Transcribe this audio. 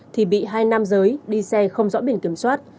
thì bị hai nam giới đi xe không rõ biển kiểm soát